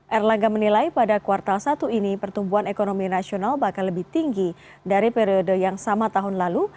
erlangga menilai pada kuartal satu ini pertumbuhan ekonomi nasional bakal lebih tinggi dari periode yang sama tahun lalu